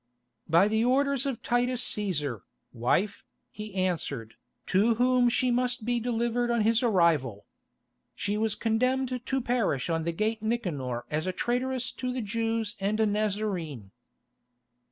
"By the orders of Titus Cæsar, wife," he answered, "to whom she must be delivered on his arrival. She was condemned to perish on the gate Nicanor as a traitress to the Jews and a Nazarene."